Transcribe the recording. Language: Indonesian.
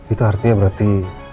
itu artinya berarti